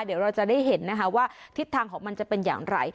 เดี๋ยวเราจะได้เห็นนะคะว่าทิศทางของมันจะเป็นอย่างไร